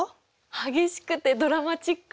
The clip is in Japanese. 激しくてドラマチック？